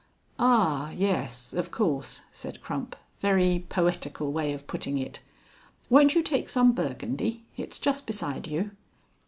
"Ah, yes of course," said Crump. "Very poetical way of putting it. Won't you take some Burgundy? It's just beside you."